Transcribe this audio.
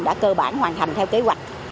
đã cơ bản hoàn thành theo kế hoạch